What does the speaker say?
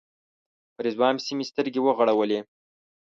په رضوان پسې مې سترګې وغړولې.